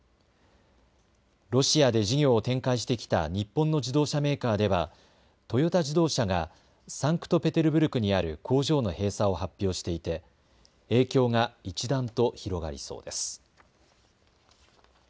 ロシアで事業を展開してきた日本の自動車メーカーではトヨタ自動車がサンクトペテルブルクにある工場の閉鎖を発表していて影響が一段と広がりそうです。